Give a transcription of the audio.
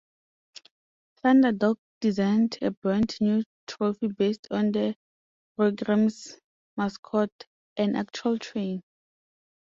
Thunderdog designed a brand new trophy based on the program's mascot, an actual train.